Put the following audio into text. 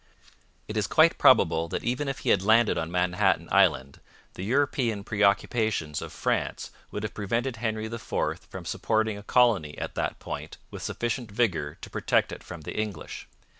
It is quite probable that even if he had landed on Manhattan Island, the European preoccupations of France would have prevented Henry IV from supporting a colony at that point with sufficient vigour to protect it from the English.